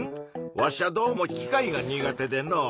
わしゃどうも機械が苦手でのう。